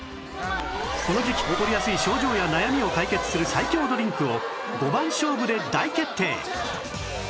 この時期起こりやすい症状や悩みを解決する最強ドリンクを５番勝負で大決定！